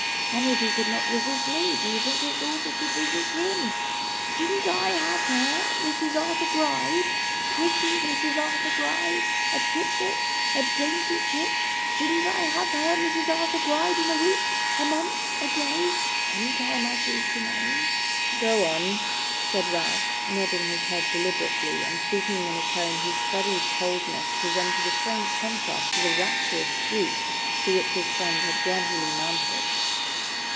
And if he could not resist ME, do you think his daughter could resist HIM? Shouldn't I have her Mrs. Arthur Gride pretty Mrs. Arthur Gride a tit bit a dainty chick shouldn't I have her Mrs. Arthur Gride in a week, a month, a day any time I chose to name?' 'Go on,' said Ralph, nodding his head deliberately, and speaking in a tone whose studied coldness presented a strange contrast to the rapturous squeak to which his friend had gradually mounted.